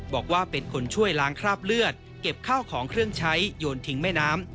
บอกว่าเป็นคนช่วยล้างคราบเลือดเก็บข้าวของเครื่องใช้โยนทิ้งแม่น้ำ